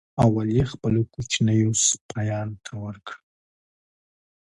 اول یې خپلو کوچنیو سپیانو ته ورکړه.